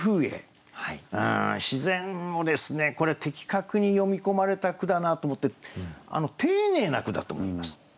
自然をですねこれ的確に詠み込まれた句だなと思って丁寧な句だと思います。